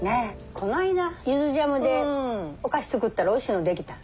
この間ゆずジャムでお菓子作ったらおいしいの出来た。